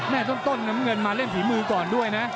ต้นน้ำเงินมาเล่นฝีมือก่อนด้วยนะ